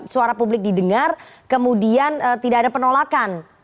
suara publik didengar kemudian tidak ada penolakan